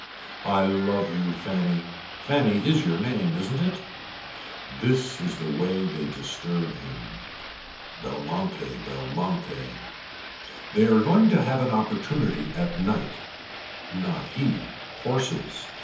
I love you Fanny Fanny is your name isn't it. This is they way they disturb him. Belmonte Belmonte. They are going to have an opportunity at night. Not he. Horses.